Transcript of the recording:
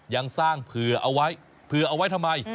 ยังสร้างเผื่อเอาไว้เผื่อเอาไว้ทำไม